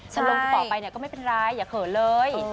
ถ้าลงรูปต่อไปก็ไม่เป็นไรอย่าเขินเลย